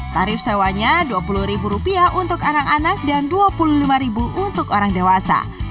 tarif sewanya rp dua puluh untuk anak anak dan rp dua puluh lima untuk orang dewasa